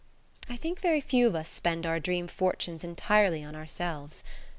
I think very few of us spend our dream fortunes entirely on ourselves.